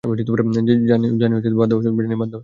জানি, বাদ দাও ওসব!